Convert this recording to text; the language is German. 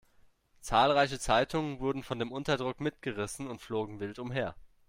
Zahlreiche Zeitungen wurden von dem Unterdruck mitgerissen und flogen wild umher.